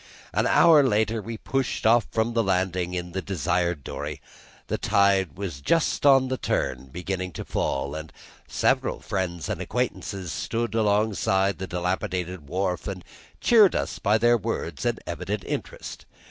An hour later we pushed off from the landing in the desired dory. The tide was just on the turn, beginning to fall, and several friends and acquaintances stood along the side of the dilapidated wharf and cheered us by their words and evident interest.